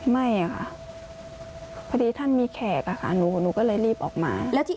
ไม่ค่ะพอดีท่านมีแขกอะค่ะหนูก็เลยรีบออกมา